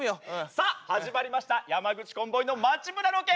さあ始まりました山口コンボイの街ブラロケ！